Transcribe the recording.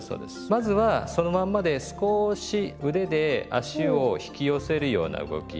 まずはそのまんまで少し腕で足を引き寄せるような動き。